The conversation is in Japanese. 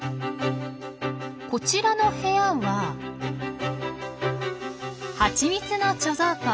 こちらの部屋はハチミツの貯蔵庫。